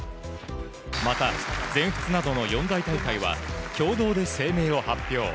また全仏などの四大大会は共同で声明を発表。